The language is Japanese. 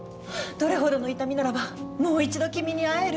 どれほどの痛みならばもう一度君に会える？